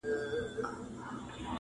لښکر پردی وي خپل پاچا نه لري-